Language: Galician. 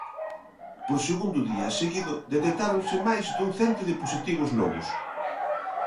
Por segundo día seguido, detectáronse máis dun cento de positivos novos.